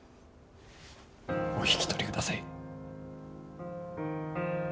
お引き取り下さい。